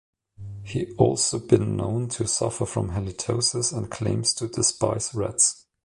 He has also been known to suffer from halitosis and claims to despise rats.